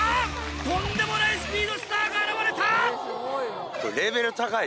とんでもないスピードスターが現れた！